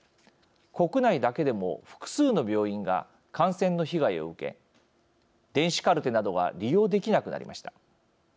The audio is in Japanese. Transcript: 国内だけでも複数の病院が感染の被害を受け電子カルテなどが利用できなくなりました。